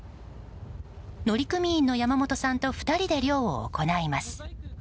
乗組員の山本さんと２人で漁を行います。